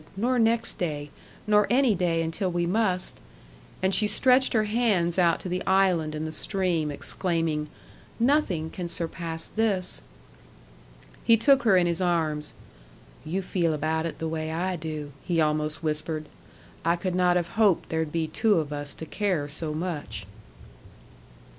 "Nor next day. Nor any day until we must." And she stretched her hands out to the island and the stream exclaiming, "Nothing can surpass this!" He took her in his arms. "You feel about it the way I do," he almost whispered. "I could not have hoped there'd be two of us to care so much."